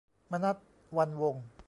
มนัส วรรณวงศ์